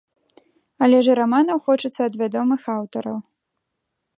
Але ж і раманаў хочацца ад вядомых аўтараў.